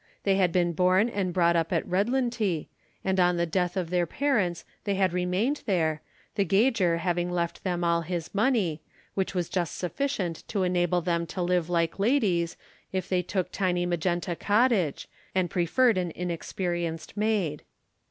They had been born and brought up at Redlintie, and on the death of their parents they had remained there, the gauger having left them all his money, which was just sufficient to enable them to live like ladies, if they took tiny Magenta Cottage, and preferred an inexperienced maid.